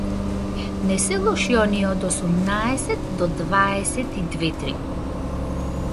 Не се лоши оние од осумнаесет до дваесет и две-три.